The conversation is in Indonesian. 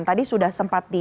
tadi sudah sempat ditemukan